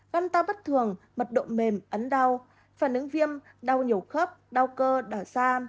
gan ta bất thường mật độ mềm ấn đau phản ứng viêm đau nhiều khớp đau cơ đỏ da